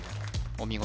お見事